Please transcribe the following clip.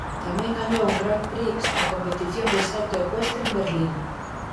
Tamén gañou un Grand Prix na competición de salto ecuestre en Berlín.